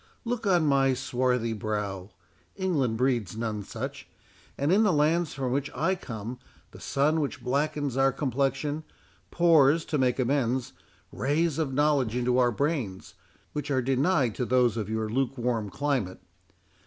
Look on my swarthy brow—England breeds none such—and in the lands from which I come, the sun which blackens our complexion, pours, to make amends, rays of knowledge into our brains, which are denied to those of your lukewarm climate.